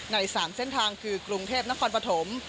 ใน๓เส้นทางคือกรุงเทพนครปฐม